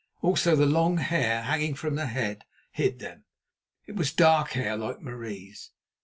Also the long hair hanging from the head hid them. It was dark hair, like Marie's.